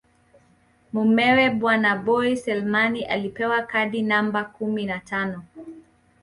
Mumewe bwana Boi Selemani alipewa kadi namba kumi na tano